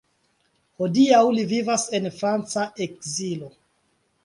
Hodiaŭ li vivas en franca ekzilo.